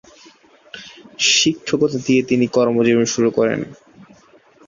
শিক্ষকতা দিয়ে তিনি কর্মজীবন শুরু করেন।